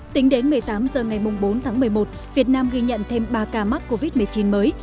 tính đến một mươi tám h ngày bốn tháng một mươi một việt nam ghi nhận thêm ba ca mắc covid một mươi chín mới